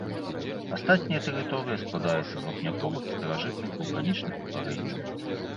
Астатняя тэрыторыя складаецца з вапняковых і старажытных вулканічных утварэнняў.